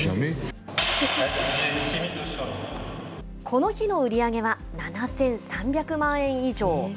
この日の売り上げは７３００万円以上。